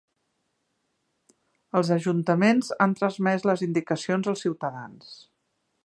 Els ajuntaments han transmès les indicacions als ciutadans.